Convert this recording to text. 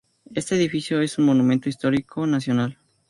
Este edificio es un Monumento Histórico Nacional.